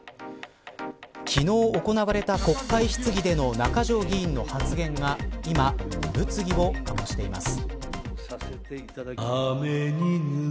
昨日、行われた国会質疑での中条きよし議員の発言が今、物議を醸しています。